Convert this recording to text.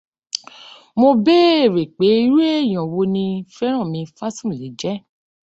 Mo bèèrè pé irú èèyàn wo ni Fẹ́rànmi Fásùnlé jẹ́